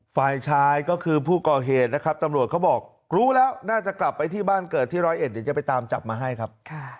ฝ่ายชายก็คือผู้ก่อเหตุนะครับตำรวจเขาบอกรู้แล้วน่าจะกลับไปที่บ้านเกิดที่ร้อยเอ็ดเดี๋ยวจะไปตามจับมาให้ครับ